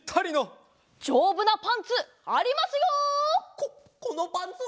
ここのパンツは！